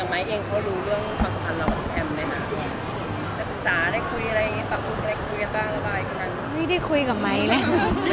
ไม่คุยเลย